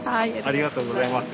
ありがとうございます。